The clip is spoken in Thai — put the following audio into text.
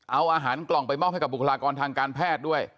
เอาอาหารกล่องไปมอบให้กับบุคลากรทางการแพทย์ด้วย